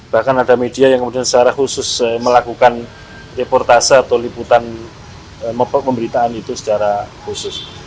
bahkan ada media yang kemudian secara khusus melakukan reportase atau liputan pemberitaan itu secara khusus